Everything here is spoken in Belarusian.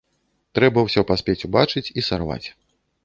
Трэба ўсё паспець убачыць і сарваць.